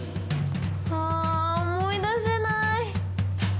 あ思い出せない！